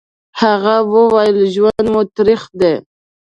هغه وويل: ژوند مو تريخ دی.